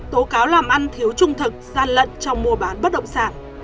tố cáo làm ăn thiếu trung thực gian lận trong mùa bán bất động sản